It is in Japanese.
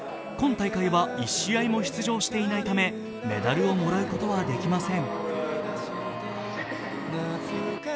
今大会は１試合も出場していないためメダルをもらうことはできません。